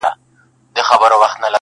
مار يې ولیدی چي پروت وو بېگمانه!.